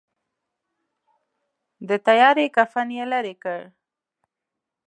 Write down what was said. د تیارې کفن یې لیري کړ.